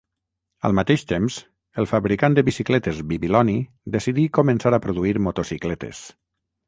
Al mateix temps, el fabricant de bicicletes Bibiloni decidí començar a produir motocicletes.